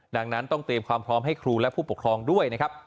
ดังนั้นต้องเตรียมความพร้อมให้ครูและผู้ปกครองด้วยนะครับ